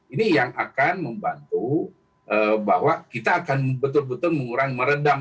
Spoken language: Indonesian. ini yang akan membantu bahwa kita akan betul betul mengurangi meredam